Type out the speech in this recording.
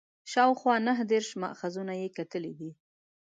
شاوخوا نهه دېرش ماخذونه یې کتلي دي.